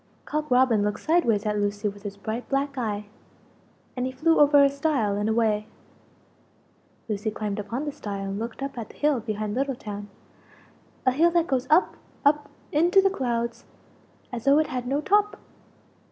Cock Robin looked sideways at Lucie with his bright black eye, and he flew over a stile and away. Lucie climbed upon the stile and looked up at the hill behind Little town a hill that goes up up into the clouds as though it had no top!